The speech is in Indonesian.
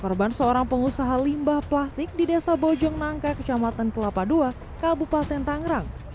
korban seorang pengusaha limbah plastik di desa bojong nangka kecamatan kelapa ii kabupaten tangerang